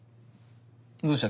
どうした？